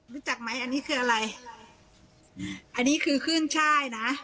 รู้จักไหมอันนี้คืออะไรอันนี้คือขึ้นช่ายนะ